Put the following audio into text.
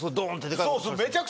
そうです。